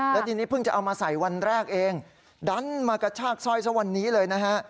แล้วทีนี้เพิ่งจะเอามาใส่วันแรกเองดันมากระชากสร้อยซะวันนี้เลยนะฮะ